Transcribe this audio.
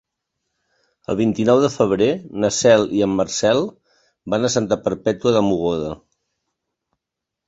El vint-i-nou de febrer na Cel i en Marcel van a Santa Perpètua de Mogoda.